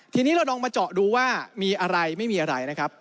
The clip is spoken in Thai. ทีนี้เราลองมาเจาะดูว่ามีอะไรไม่มีอะไรนะครับ